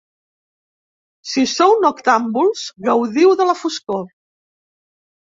Si sou noctàmbuls, gaudiu de la foscor.